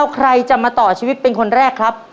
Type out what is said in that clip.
ใครจะมาต่อชีวิตเป็นคนแรกครับ